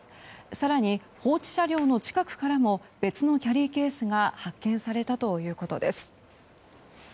更に、放置車両の近くからも別のキャリーケースが発見されたということです。